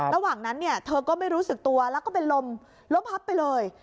ระหว่างนั้นเนี่ยเธอก็ไม่รู้สึกตัวแล้วก็เป็นลมล้มพับไปเลย